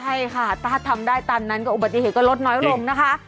ใช่ค่ะถ้าทำได้ตามนั้นก็อุบัติเหตุก็ลดน้อยลงนะคะ